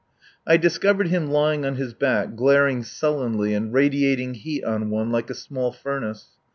I discovered him lying on his back, glaring sullenly and radiating heat on one like a small furnace.